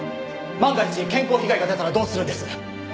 万が一健康被害が出たらどうするんです？